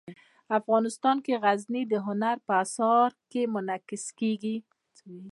افغانستان کې غزني د هنر په اثار کې منعکس کېږي.